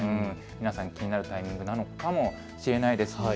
皆さんが気になるタイミングなのかもしれないですね。